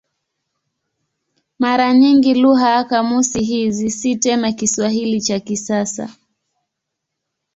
Mara nyingi lugha ya kamusi hizi si tena Kiswahili cha kisasa.